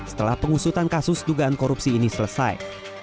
setelah pengusutan kasus dugaan korupsi ini selesai